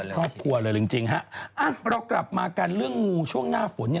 ครอบครัวเลยจริงจริงฮะอ่ะเรากลับมากันเรื่องงูช่วงหน้าฝนเนี่ย